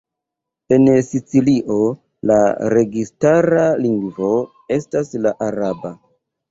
En Sicilio la registara lingvo estis la araba.